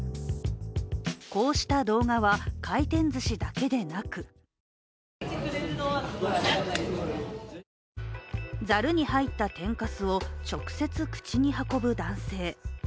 こうした動画は回転ずしだけでなくざるに入った天かすを直接口に運ぶ男性。